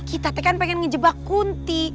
kita kan pengen ngejebak kunti